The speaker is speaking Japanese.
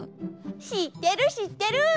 しってるしってる！